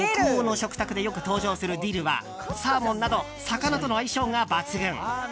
北欧の食卓でよく登場するディルは、サーモンなど魚との相性が抜群。